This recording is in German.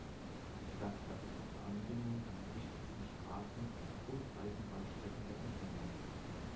Die Stadt hat gute Anbindung an die wichtigsten Straßen und Eisenbahnstrecken der Umgebung.